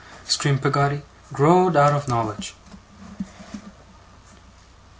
screamed Peggotty, 'growed out of knowledge!